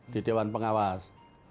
di dewan pengawas